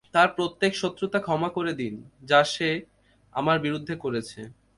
তার প্রত্যেক শত্রুতা ক্ষমা করে দিন যা সে আমার বিরুদ্ধে করেছে।